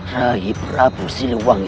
raih prabu siliwangi